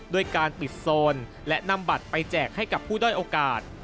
ด้วยการปิดโซนและนำบัตรไปแจกให้กับผู้ด้อยโอกาส